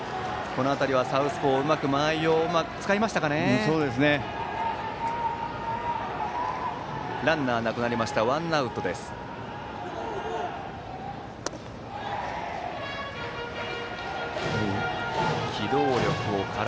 この辺りはサウスポーうまく間合いを使ったか。